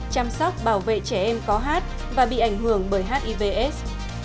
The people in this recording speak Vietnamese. chăm sóc bảo vệ trẻ em có hát và bị ảnh hưởng bởi hivs